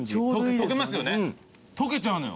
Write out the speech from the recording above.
溶けますよね溶けちゃうのよ。